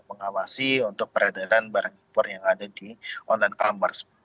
mengawasi untuk peredaran barang impor yang ada di online commerce